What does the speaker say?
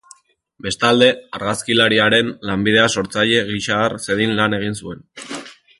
Bestalde, argazkilariaren lanbidea sortzaile gisa har zedin lan egin zuen.